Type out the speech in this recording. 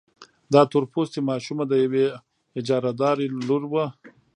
دا تور پوستې ماشومه د يوې اجارهدارې لور وه.